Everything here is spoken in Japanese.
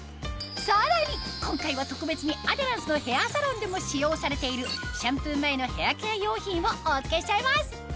さらに今回は特別にアデランスのヘアサロンでも使用されているシャンプー前のヘアケア用品をお付けしちゃいます